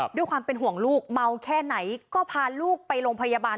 ด้วยความเป็นห่วงลูกเมาแค่ไหนก็พาลูกไปโรงพยาบาล